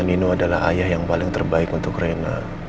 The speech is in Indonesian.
nino adalah ayah yang paling terbaik untuk rena